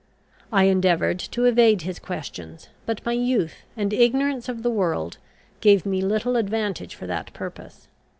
I endeavoured to evade his questions, but my youth and ignorance of the world gave me little advantage for that purpose.